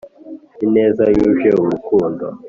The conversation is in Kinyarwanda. ineza yuje urukundo.